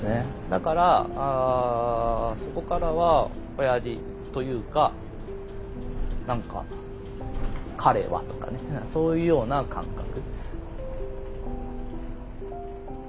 だからそこからはおやじというか何か彼はとかねそういうような感覚。